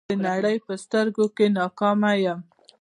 د نړۍ په سترګو کې ناکامه یم.